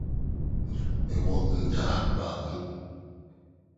Me wɔ ntaa biako